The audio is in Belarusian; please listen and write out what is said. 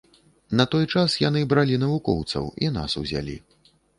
На той час яны бралі навукоўцаў і нас узялі.